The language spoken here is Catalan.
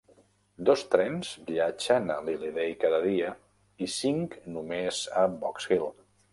Dos trens viatgen a Lilydale cada dia i cinc només a Box Hill.